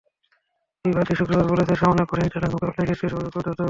ইবাদি শুক্রবার বলেছেন, সামনের কঠিন চ্যালেঞ্জ মোকাবিলায় দেশের সবাইকে ঐক্যবদ্ধ হতে হবে।